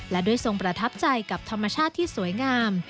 และด้วยทรงประทับใจกับธรรมชาติที่สวยงาม